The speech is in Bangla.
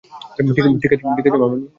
ঠিক আছো, মামনি?